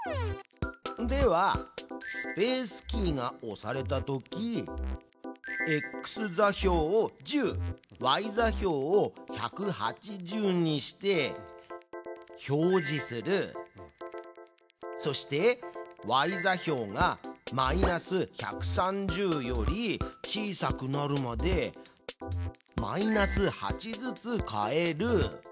では「スペースキーが押されたとき」「ｘ座標を１０」「ｙ座標を１８０」にして「表示する」。そしてｙ座標がマイナス１３０より小さくなるまでマイナス８ずつ変える。